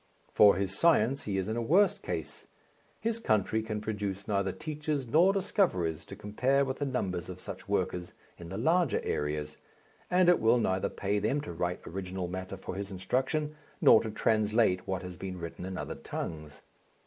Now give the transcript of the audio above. For his science he is in a worse case. His country can produce neither teachers nor discoverers to compare with the numbers of such workers in the larger areas, and it will neither pay them to write original matter for his instruction nor to translate what has been written in other tongues.